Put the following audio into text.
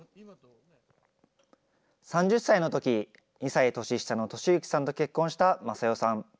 ３０歳のとき、２歳年下の利之さんと結婚した正代さん。